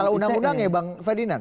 salah undang undang ya bang fadinan